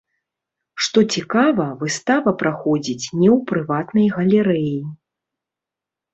Што цікава, выстава праходзіць не ў прыватнай галерэі.